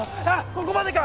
ここまでか！